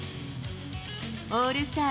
オールスター